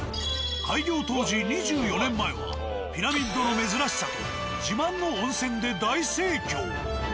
開業当時２４年前はピラミッドの珍しさと自慢の温泉で大盛況。